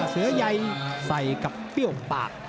เสือใยใส่กับเปรี้ยวปาก